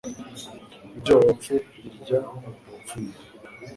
Ibyo abapfu birya abapfumu